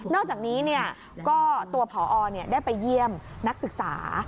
อกจากนี้ก็ตัวผอได้ไปเยี่ยมนักศึกษา